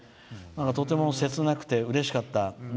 とても切なくてうれしかった。